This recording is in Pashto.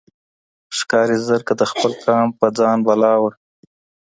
ښکاري زرکه د خپل قام په ځان بلا وه